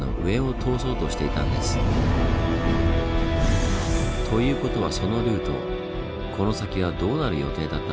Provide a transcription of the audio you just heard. ということはそのルートこの先はどうなる予定だったんでしょう？